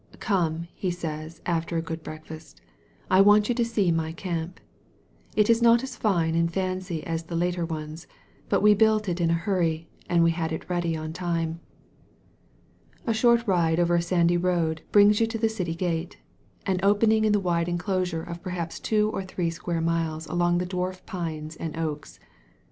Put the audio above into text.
"Come," he says, after a good breakfast, "I want you to see my camp. It is not as fine and fancy as the later ones. But we built it in a hurry and we had it ready on time." A short ride over a sandy road brings you to the city gate — ^an opening in the wire enclosure of perhaps two or three square miles among the dwarf pines and oaks.